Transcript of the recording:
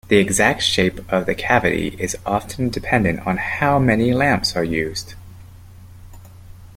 The exact shape of the cavity is often dependent on how many lamps are used.